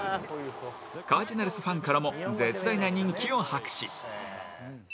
カージナルスファンからも絶大な人気を博し